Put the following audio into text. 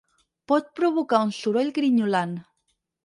Pot provocar un soroll grinyolant.